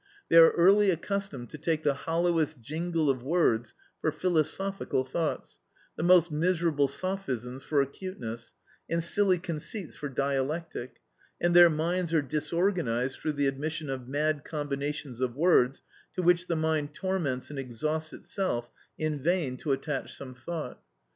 They are early accustomed to take the hollowest jingle of words for philosophical thoughts, the most miserable sophisms for acuteness, and silly conceits for dialectic, and their minds are disorganised through the admission of mad combinations of words to which the mind torments and exhausts itself in vain to attach some thought.